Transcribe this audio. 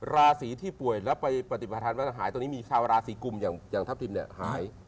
ราศีที่ป่วยแล้วไปปฏิบัติธรรมมันจะหายตอนนี้มีชาวราศีกุมอย่างทัพทิมหาย